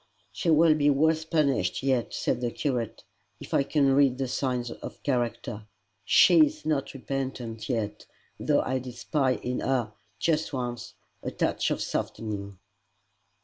"She will be worse punished yet," said the curate, "if I can read the signs of character. SHE is not repentant yet though I did spy in her just once a touch of softening."